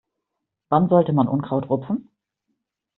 Wann sollte man Unkraut rupfen?